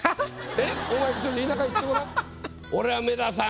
えっ？お前田舎行ってごらん。